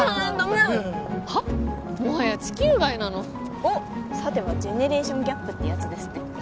もはや地球外なのおっさてはジェネレーションギャップってやつですね